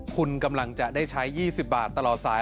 คุณกำลังจะได้ใช้๒๐บาทตลอดสาย